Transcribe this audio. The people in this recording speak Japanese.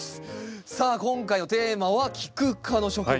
さあ今回のテーマはキク科の植物。